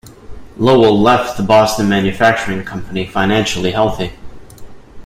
Lowell left the Boston Manufacturing Company financially healthy.